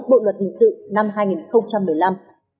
bộ luật hình sự năm hai nghìn một mươi năm